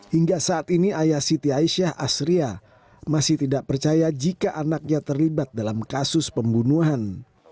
hingga saat ini ayah siti aisyah asria masih tidak percaya jika anaknya terlibat dalam kasus pembunuhan